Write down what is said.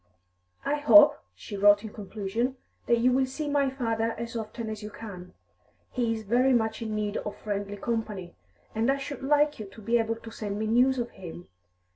"I hope," she wrote in conclusion, "that you will see my father as often as you can; he is very much in need of friendly company, and I should like you to be able to send me news of him.